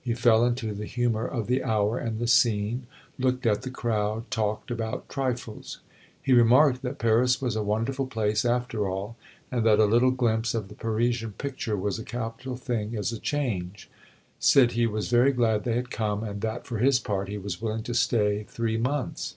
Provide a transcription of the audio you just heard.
He fell into the humor of the hour and the scene, looked at the crowd, talked about trifles. He remarked that Paris was a wonderful place after all, and that a little glimpse of the Parisian picture was a capital thing as a change; said he was very glad they had come, and that for his part he was willing to stay three months.